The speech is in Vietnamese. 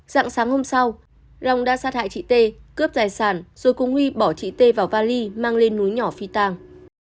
sáng sáng hôm sau long đã sát hại chị tê cướp tài sản rồi cùng huy bỏ chị tê vào vali mang lên núi nhỏ phi tàng